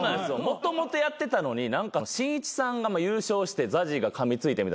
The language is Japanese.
もともとやってたのにしんいちさんが優勝してＺＡＺＹがかみついてみたいな。